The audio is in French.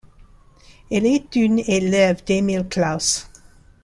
Elle est une élève d'Émile Claus.